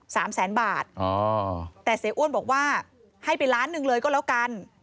สามแสนบาทอ๋อแต่เสียอ้วนบอกว่าให้ไปล้านหนึ่งเลยก็แล้วกัน